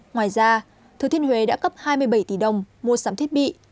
ngoài ra thừa thiên huế đã cấp hai mươi bảy tỷ đồng mua sắm thiết bị